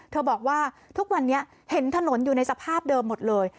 บอกว่าทุกวันนี้เห็นถนนอยู่ในสภาพเดิมหมดเลย